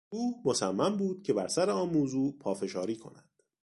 او مصمم بود که بر سر آن موضوع پافشاری کند.